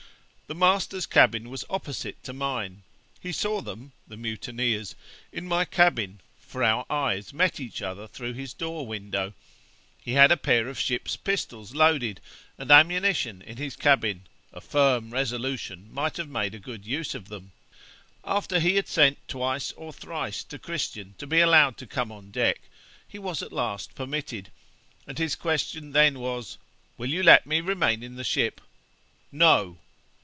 'The master's cabin was opposite to mine; he saw them (the mutineers) in my cabin, for our eyes met each other through his door window. He had a pair of ship's pistols loaded, and ammunition in his cabin a firm resolution might have made a good use of them. After he had sent twice or thrice to Christian to be allowed to come on deck, he was at last permitted, and his question then was, "Will you let me remain in the ship?" "No."